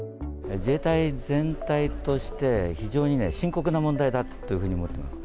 自衛隊全体として、非常にね、深刻な問題だというふうに思ってます。